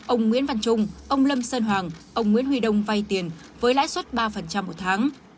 ông nguyễn văn trung ông lâm sơn hoàng ông nguyễn huy đông vay tiền với lãi suất ba một tháng